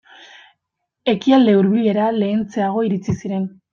Ekialde Hurbilera lehentxeago iritsi ziren.